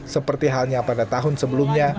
seperti halnya pada tahun sebelumnya